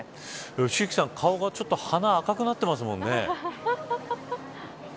良幸さん、鼻がちょっと赤くなってますもんね。